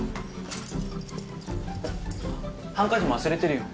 ハンカチも忘れてるよ。